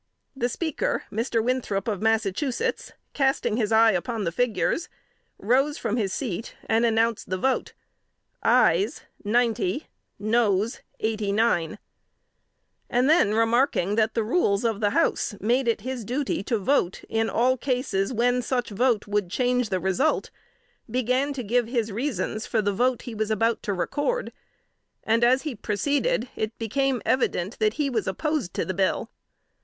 The Speaker, Mr. Winthrop of Massachusetts, casting his eye upon the figures, rose from his seat, and announced the vote "ayes ninety, noes eighty nine," and then remarking that the rules of the House made it his duty to vote in all cases when such vote would change the result, began to give his reasons for the vote he was about to record, and as he proceeded it became evident that he was opposed to the bill.